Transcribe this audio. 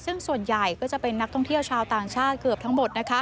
ซึ่งส่วนใหญ่ก็จะเป็นนักท่องเที่ยวชาวต่างชาติเกือบทั้งหมด